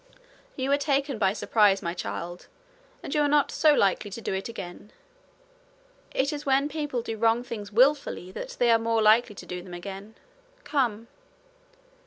'You were taken by surprise, my child, and you are not so likely to do it again. It is when people do wrong things wilfully that they are the more likely to do them again. Come.'